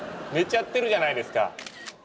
寝ちゃってるじゃないですか。